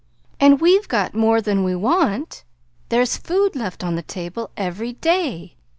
And we've got more than we want. There's food left on the table every day.